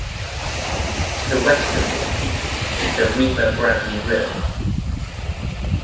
To the west of this peak is the Rima Bradley rille.